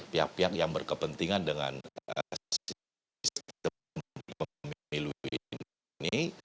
pihak pihak yang berkepentingan dengan sistem pemilu ini